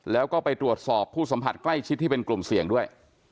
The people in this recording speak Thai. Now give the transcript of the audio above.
แล้วก็ไปตรวจสอบผู้สัมผัสใกล้ชิดที่เป็นกลุ่มเสี่ยงด้วย